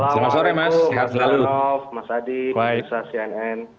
selamat sore mas sehat selalu